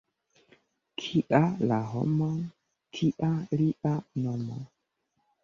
Kia la homo, tia lia nomo.